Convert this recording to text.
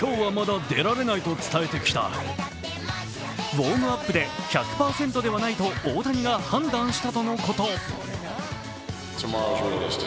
ウォームアップで１００％ではないと大谷が判断したとのこと。